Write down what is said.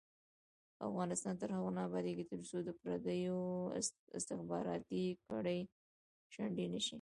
افغانستان تر هغو نه ابادیږي، ترڅو د پردیو استخباراتي کړۍ شنډې نشي.